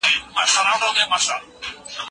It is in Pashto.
توبه ګار بنده د الله خوښیږي.